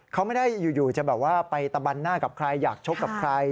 เขาไม่ได้อยู่จะแบบว่าไปตะบันหน้ากับใครอยากชกกับใคร